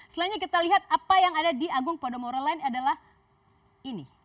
selanjutnya kita lihat apa yang ada di agung podomoro lain adalah ini